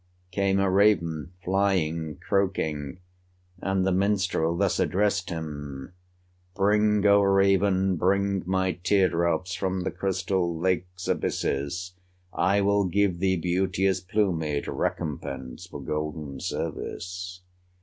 Came a raven, flying, croaking, And the minstrel thus addressed him: "Bring, O raven, bring my tear drops From the crystal lake's abysses; I will give thee beauteous plumage, Recompense for golden service."